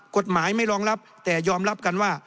กฎหมายไม่รองรับแต่ยอมรับกันว่า